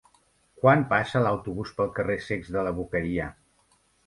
Quan passa l'autobús pel carrer Cecs de la Boqueria?